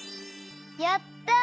やった！